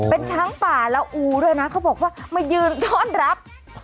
เป็นช้างป่าละอูด้วยนะเขาบอกว่ามายืนต้อนรับ